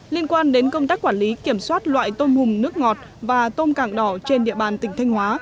liên quan đến công tác quản lý kiểm soát loại tôm hùm nước ngọt và tôm càng đỏ trên địa bàn tỉnh thanh hóa